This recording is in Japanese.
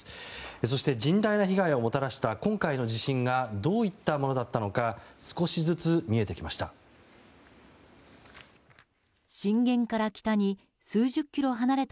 そして甚大な被害をもたらした今回の地震がどういったものだったのか少しずつ見えてきました。